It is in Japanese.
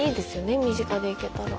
身近で行けたら。